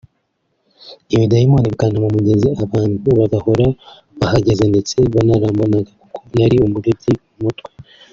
ibidayimoni bikanta mu mugezi abantu bagahora bahagaze ndetse barambohaga kuko nari (umurwayi wo mu mutwe) uteye ubwoba